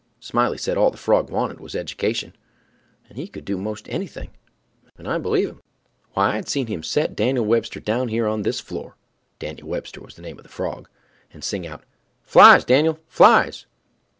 Smiley said all a frog wanted was education, and he could do 'most anything—and I believe him. Why, I've seen him set Dan'l Webster down here on this floor—Dan'l Webster was the name of the frog—and sing out, "Flies, Dan'l, flies!"